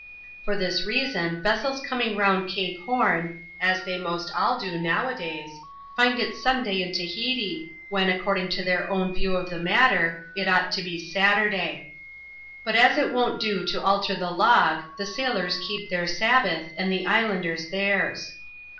For this reason, vessels coming round Cape Horn — as they most all do now a days — find it Sunday in Tahiti, when, according to their own view of the matter, it ought to be Saturday. But as it won't do to alter the log, the sailors keep their Sabbath, and the islanders theirs.